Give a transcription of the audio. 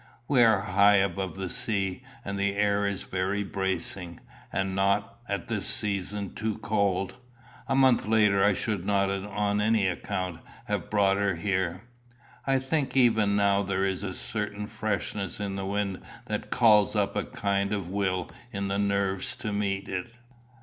"We are high above the sea, and the air is very bracing, and not, at this season, too cold. A month later I should not on any account have brought her here." "I think even now there is a certain freshness in the wind that calls up a kind of will in the nerves to meet it."